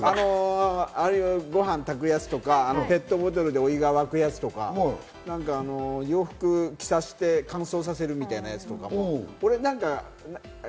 ご飯炊くやつとか、ペットボトルでお湯が沸くやつとか、洋服着させて乾燥させるみたいなやつとかも。